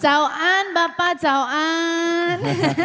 cauan bapak cauan